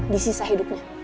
di sisa hidupnya